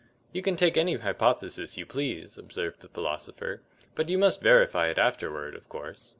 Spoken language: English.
"You can take any hypothesis you please," observed the philosopher, "but you must verify it afterward, of course."